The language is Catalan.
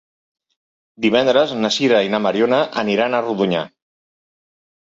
Divendres na Sira i na Mariona aniran a Rodonyà.